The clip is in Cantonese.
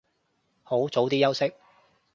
好，早啲休息